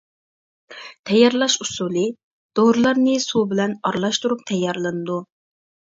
تەييارلاش ئۇسۇلى: دورىلارنى سۇ بىلەن ئارىلاشتۇرۇپ تەييارلىنىدۇ.